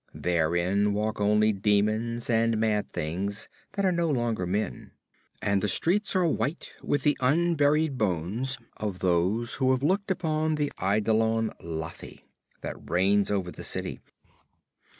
Therein walk only daemons and mad things that are no longer men, and the streets are white with the unburied bones of those who have looked upon the eidolon Lathi, that reigns over the city."